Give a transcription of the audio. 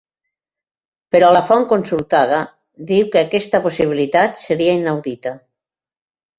Però la font consultada diu que aquesta possibilitat seria inaudita.